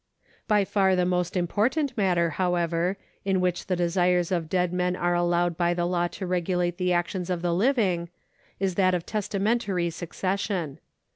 ^ By far the most important matter, however, in which the desires of dead men are allowed by the law to regulate the actions of the living is that of testamentary succession.